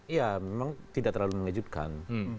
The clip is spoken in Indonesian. ya memang tidak terlalu mengejutkan